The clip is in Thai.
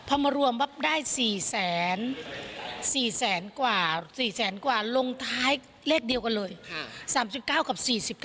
พอมารวมแบบได้๔๐๐๐๐๐๔๐๐๐๐๐กว่า๔๐๐๐๐๐กว่าลงท้ายเลขเดียวกันเลย๓๙กับ๔๙